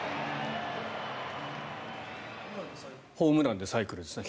ホームランでサイクルですね。